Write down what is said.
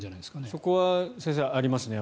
そこは先生、ありますね。